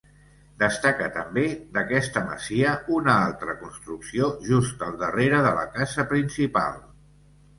Destaca també d'aquesta masia una altra construcció just al darrere de la casa principal.